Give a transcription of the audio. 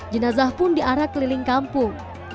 jenazah pun diarak keliling kampung